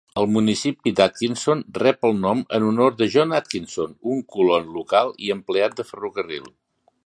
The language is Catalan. El municipi d'Atkinson rep el nom en honor de John Atkinson, un colon local i empleat de ferrocarril.